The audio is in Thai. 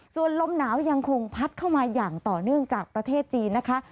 ส่วนลมหนาวยังคงพัดเข้ามาอย่างต่อเนื่องจากประเทศจีนนะคะ